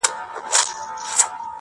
څونه پر ځای وي